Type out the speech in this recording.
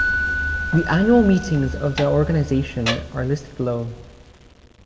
The annual meetings of the organisation are listed below.